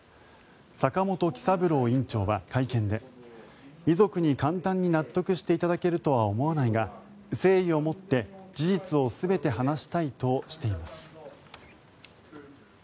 坂本喜三郎院長は会見で、遺族に簡単に納得していただけるとは思わないが誠意を持って、事実を全て話したいとしています。